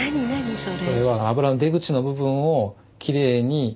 それ。